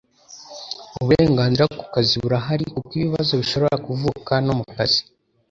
Uburenganzira ku kazi burahari kuko ibibazo bishobora kuvuka no mukazi